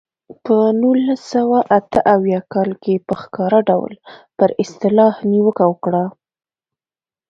په نولس سوه اته اویا کال کې په ښکاره ډول پر اصطلاح نیوکه وکړه.